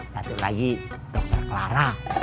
satu lagi dokter clara